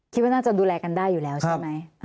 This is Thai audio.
คิดว่าน่าจะดูแลกันได้อยู่แล้วใช่ไหม